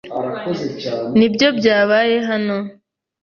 Nibyo byabaye hano?